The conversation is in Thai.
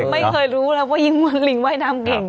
ไม่เคยรู้แล้วว่ายิ่งว่าลิงไหว้น้ำเก่ง